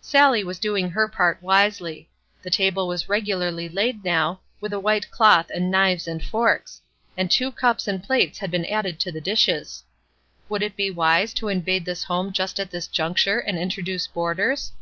Sallie was doing her part wisely. The table was regularly laid now, with a white cloth and knives and forks; and two new cups and plates had been added to the dishes. Would it be wise to invade this home just at this juncture and introduce boarders?